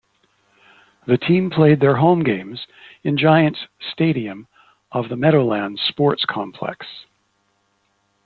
The team played their home games in Giants Stadium of the Meadowlands Sports Complex.